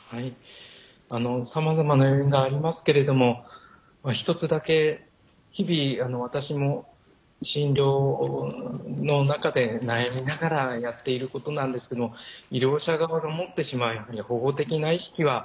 さまざまな要因がありますけれども一つだけ日々私も診療の中で悩みながらやっていることなんですけど医療者側が思ってるより保護的な意識は大きいと思います。